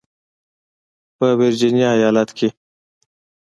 په ورجینیا ایالت کې